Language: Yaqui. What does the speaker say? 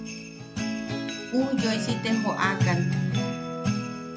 Ujyooisi te joʼakan.